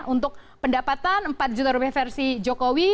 untuk pendapatan empat juta rupiah versi jokowi